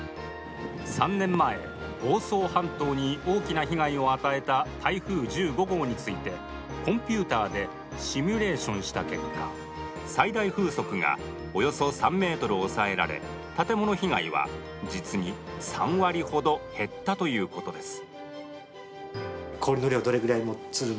３年前房総半島に大きな被害を与えた台風１５号についてコンピューターでシミュレーションした結果最大風速がおよそ３メートルを抑えられ建物被害は実に３割ほど減ったということです